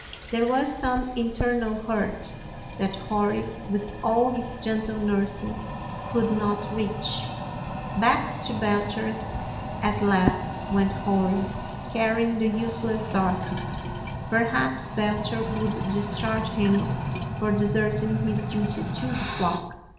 There was some internal hurt that Hori, with all his gentle nursing, could not reach. Back to Belcher's at last went Hori, carry ing the useless Darky. Perhaps Belcher would discharge him for deserting his duty to the flock.